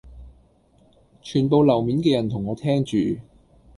全部樓面嘅人同我聽住